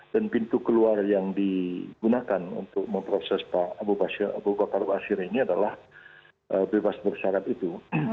dan pintu keluar yang digunakan untuk memproses pak abu bakar basir ini adalah bebas bersyarat itu